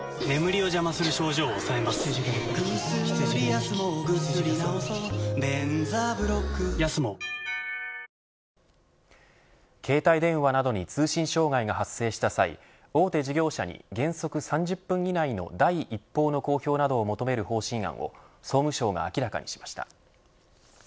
優勝インタビューのときに携帯電話などに通信障害が発生した際大手事業者に原則３０分以内の第一報の公表などを求める方針案を総務省が明らかにしました。